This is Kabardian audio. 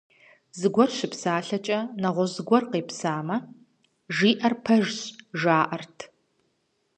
Зыгуэр щыпсалъэкӏэ нэгъуэщӀ зыгуэр къепсамэ, жиӀэр пэжщ, жаӀэрт.